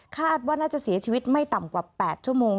คาดว่าน่าจะเสียชีวิตไม่ต่ำกว่า๘ชั่วโมง